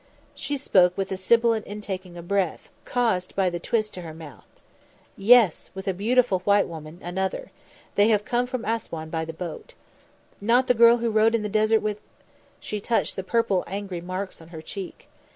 She spoke with a sibilant intaking of breath, caused by the twist to her mouth. "Yes; with a beautiful white woman another. They have come from Assouan by the boat." "Not the girl who rode in the desert with " She touched the purple angry marks on her cheek.